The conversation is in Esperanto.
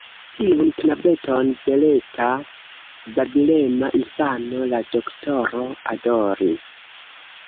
Tiun knabeton, beleta, babilema infano, la doktoro adoris.